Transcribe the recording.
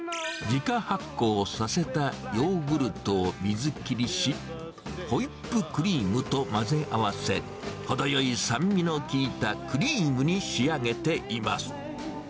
自家発酵をさせたヨーグルトを水切りし、ホイップクリームと混ぜ合わせ、程よい酸味の効いたクリームに仕上げています。